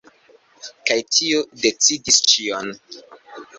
Kaj tio decidis ĉion.